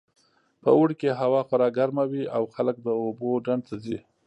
په اوړي کې هوا خورا ګرمه وي او خلک د اوبو ډنډ ته ځي